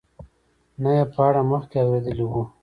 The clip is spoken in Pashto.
نه یې په اړه مخکې اورېدلي وو.